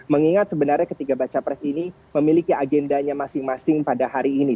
mengingat sebenarnya ketiga baca pres ini memiliki agendanya masing masing pada hari ini